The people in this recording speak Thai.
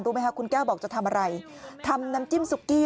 ไหมคะคุณแก้วบอกจะทำอะไรทำน้ำจิ้มซุกี้